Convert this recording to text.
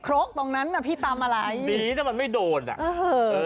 รกตรงนั้นน่ะพี่ตำอะไรหนีแต่มันไม่โดนอ่ะเออ